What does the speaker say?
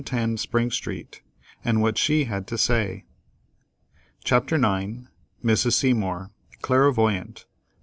110 Spring Street, and what she had to say. CHAPTER IX. MRS. SEYMOUR, CLAIRVOYANT, No.